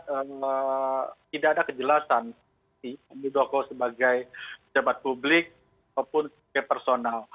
kita melihat tidak ada kejelasan muldoko sebagai pejabat publik ataupun sebagai personal